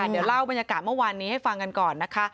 เดี๋ยวเล่าบรรยากาศเมื่อวานนี้ให้ฟังกันก่อนนะคะ